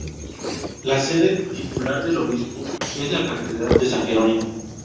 La sede titular del obispo es la Catedral de San Jerónimo.